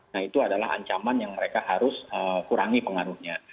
nah itu adalah ancaman yang mereka harus kurangi pengaruhnya